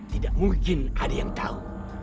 tidak mungkin ada yang tahu